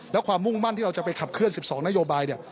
แล้วความมุ่งมั่นที่เราจะไปขับเคลื่อ๑๒นโยบายเนี่ย